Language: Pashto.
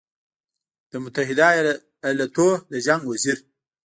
د متحدو ایالتونو د جنګ وزیر